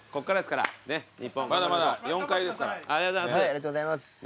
ありがとうございます。